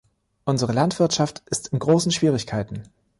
Unsere Landwirtschaft ist in großen Schwierigkeiten.